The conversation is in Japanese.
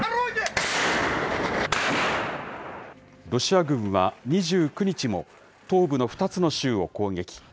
ロシア軍は２９日も、東部の２つの州を攻撃。